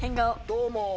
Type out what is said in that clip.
どうも。